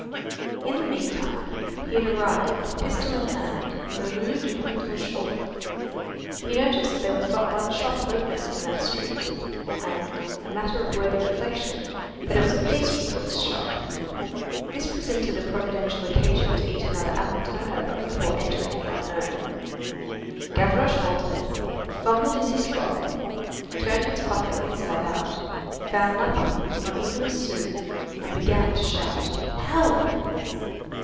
In the meantime, he had arrived, pistol in hand, in the Rue du Pont aux Choux. He noticed that there was but one shop open in that street, and, a matter worthy of reflection, that was a pastry cook's shop. This presented a providential occasion to eat another apple turnover before entering the unknown. Gavroche halted, fumbled in his fob, turned his pocket inside out, found nothing, not even a sou, and began to shout: "Help!"